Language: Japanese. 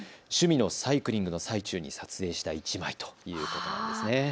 趣味のサイクリングの最中に撮影した１枚ということです。